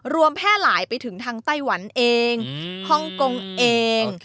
แพร่หลายไปถึงทางไต้หวันเองฮ่องกงเอง